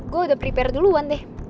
gue udah prepare duluan deh